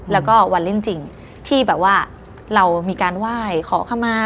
แล้วก็วันเล่นจริงที่แบบว่าเรามีการไหว้ขอขมา